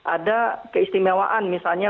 ada keistimewaan misalnya